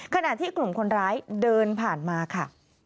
ขณะที่กลุ่มคนร้ายเดินผ่านมาค่ะ